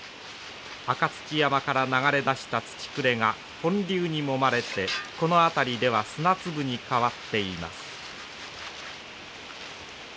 赤土山から流れ出した土くれが本流にもまれてこの辺りでは砂粒に変わっています。